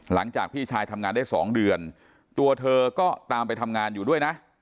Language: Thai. หลังจากพี่ชายทำงานได้๒เดือนตัวเธอก็ตามไปทำงานอยู่ด้วยนะ